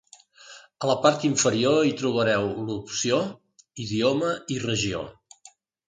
A la part inferior, hi trobareu l’opció “Idioma i regió”.